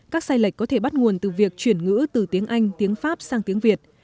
các sai lệch có thể bắt nguồn từ việc chuyển ngữ từ tiếng anh tiếng pháp sang tiếng việt